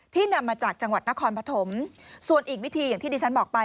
นำมาจากจังหวัดนครปฐมส่วนอีกวิธีอย่างที่ดิฉันบอกไป